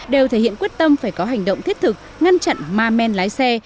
đều thể hiện quyết tâm phải có hành động thiết thực ngăn chặn ma men lái xe